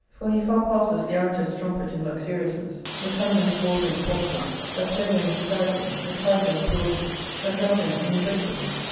For he far passes the arrant est strumpet in luxuriousness, the cunningest forger in false hood, a player in disguising, a tiger in cruelty, a dragon in ingratefulness.